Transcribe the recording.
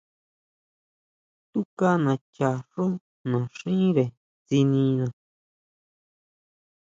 Túka nacha xú naxíre tsinina.